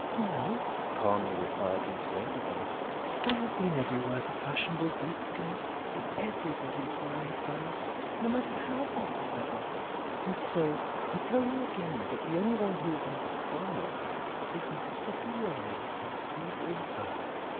"No," calmly replied Miss Lady Bug. "I have been everywhere that fashionable folks go, and everybody is wearing furs, no matter how hot the weather; and so I tell you again that the only one who is in style is Miss Pussy Willow with her silvery fur."